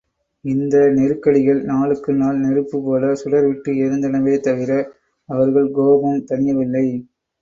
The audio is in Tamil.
இந்த நெருக்கடிகள் நாளுக்கு நாள் நெருப்புபோல சுடர்விட்டு எரிந்தனவே தவிர, அவர்கள் கோபம் தணியவில்லை.